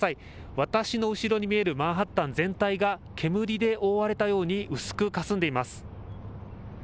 私の後ろに見えるマンハッタン全体が煙で覆われたように薄くかすんでいます。